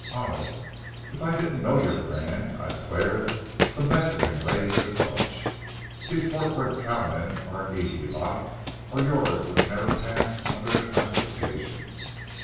Honest, if I didn't know your brand, I'd swear some Mexican raised this bunch. These Fort Worth cowmen are an easy lot, or yours would never have passed under the classification."